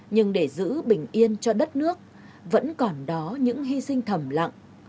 nhưng để giữ bình yên cho đất nước vẫn còn đó những hy sinh thầm lặng